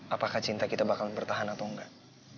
apakah cinta kita bakal bertahan atau enggak